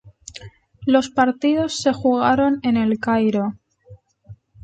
Los partidos se jugaron en El Cairo.